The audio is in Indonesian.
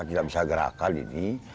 tidak bisa gerakan ini